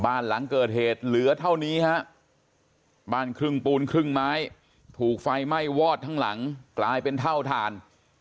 บ้านหลังเกิดเหตุเหลือเท่านี้ฮะบ้านครึ่งปูนครึ่งไม้ถูกไฟไหม้วอดทั้งหลังกลายเป็นเท่าทาน